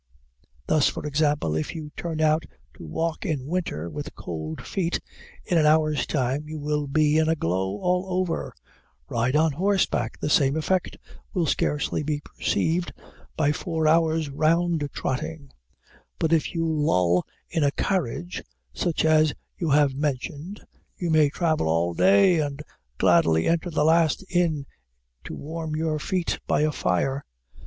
Thus, for example, if you turn out to walk in winter with cold feet, in an hour's time you will be in a glow all over; ride on horseback, the same effect will scarcely be perceived by four hours' round trotting; but if you loll in a carriage, such as you have mentioned, you may travel all day and gladly enter the last inn to warm your feet by a fire.